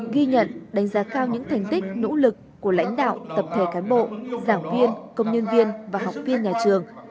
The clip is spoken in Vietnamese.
ghi nhận đánh giá cao những thành tích nỗ lực của lãnh đạo tập thể cán bộ giảng viên công nhân viên và học viên nhà trường